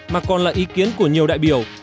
mà còn là ý kiến của nhiều đại biểu